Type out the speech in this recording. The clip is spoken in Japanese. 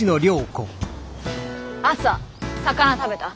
朝魚食べた？